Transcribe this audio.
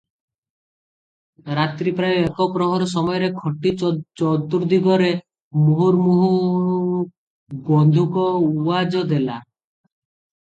ରାତ୍ରୀ ପ୍ରାୟ ଏକପ୍ରହର ସମୟରେ ଖଟି ଚତୁର୍ଦ୍ଦିଗରେ ମୁହୁର୍ମୁହୁ ବନ୍ଧୁକ ଉଆଜ ଦେଲା ।